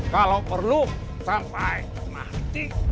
kalau perlu sampai mati